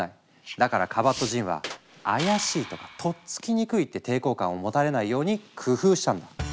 だからカバットジンは「怪しい」とか「とっつきにくい」って抵抗感を持たれないように工夫したんだ。